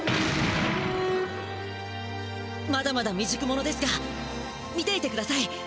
まだまだみじゅく者ですが見ていてください。